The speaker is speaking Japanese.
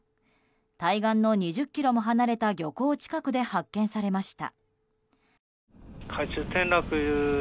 対岸の２０ｋｍも離れた漁港近くで発見されました。